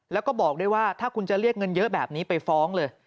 แล้วก็บอกด้วยว่าถ้าคุณจะเรียกเงินเยอะแบบนี้ไปฟ้องเลย